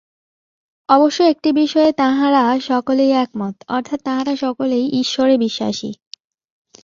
অবশ্য একটি বিষয়ে তাঁহারা সকলেই একমত, অর্থাৎ তাঁহারা সকলেই ঈশ্বরে বিশ্বাসী।